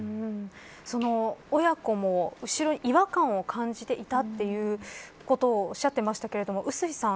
その親子も後ろに違和感を感じていたということをおっしゃっていましたけれど碓井さん。